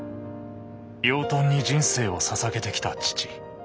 養豚に人生をささげてきた父。